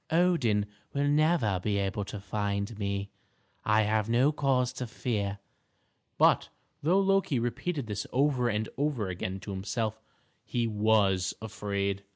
Odin will never be able to find me; I have no cause to fear." But though Loki repeated this over and over again to himself, he was afraid.